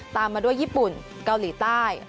ตามมาด้วยญี่ปุ่นเกาหลีใต้